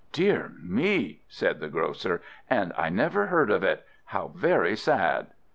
"Dear me," said the Grocer, "and I never heard of it. How very sad!"